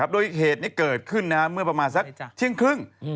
โดยเหตุนี้เกิดขึ้นเมื่อประมาณสักเที่ยงครึ่ง